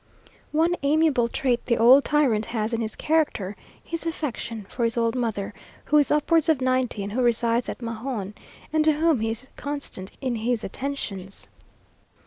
One amiable trait the old tyrant has in his character his affection for his old mother, who is upwards of ninety, and who resides at Mahon, and to whom he is constant in his attentions.